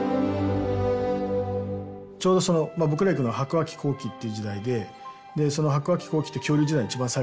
ちょうど僕らが行くのが白亜紀後期って時代でその白亜紀後期って恐竜時代の一番最後なんですよね。